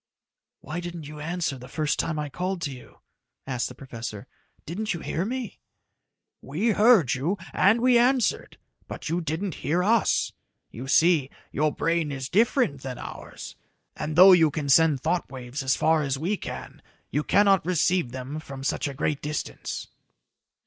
"Why didn't you answer the first time I called to you?" asked the professor. "Didn't you hear me?" "We heard you, and we answered, but you didn't hear us. You see, your brain is different than ours, and though you can send thought waves as far as we can you cannot receive them from such a great distance."